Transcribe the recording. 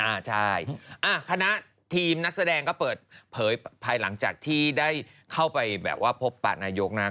อ่าใช่คณะทีมนักแสดงก็เปิดเผยภายหลังจากที่ได้เข้าไปแบบว่าพบปะนายกนะ